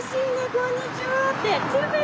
こんにちはって鶴瓶さんだよ。